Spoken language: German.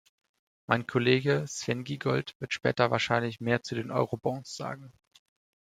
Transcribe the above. Mein Kollege Sven Giegold wird später wahrscheinlich mehr zu den Eurobonds sagen.